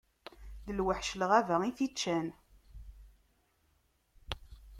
D lweḥc n lɣaba i t-iččan.